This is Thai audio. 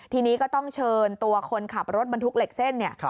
ทีนี้ก็ต้องเชิญตัวคนขับรถบรรทุกเหล็กเส้นเนี่ย